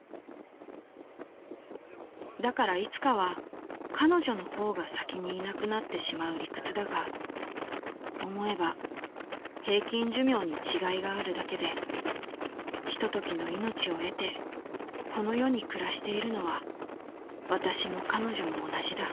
だからいつかは彼女の方が先にいなくなってしまう理屈だが思えば平均寿命に違いがあるだけでひとときの命を得てこの世に暮らしているのは私も彼女も同じだ」。